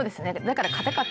だから。